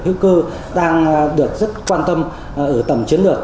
hữu cơ đang được rất quan tâm ở tầm chiến lược